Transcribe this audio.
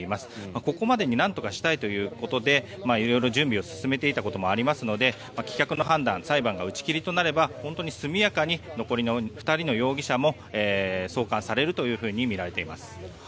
ここまでになんとかしたいということで色々準備を進めていたこともありますので棄却の判断裁判が打ち切りとなれば本当に速やかに残りの２人の容疑者も送還されるとみられています。